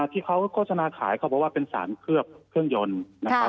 ที่เขาโฆษณาขายเขาบอกว่าเป็นสารเคลือบเครื่องยนต์นะครับ